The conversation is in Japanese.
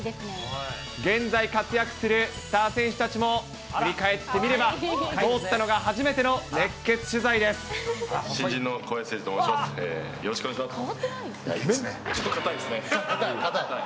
現在活躍するスター選手たちも振り返ってみれば、新人の小林誠司と申します、よろしくお願いします。